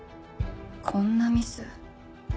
こんなミス？